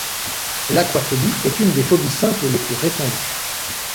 L'aquaphobie est une des phobies simples les plus répandues.